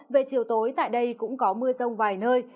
về chiều tối tại đây cũng có mưa rông vài nơi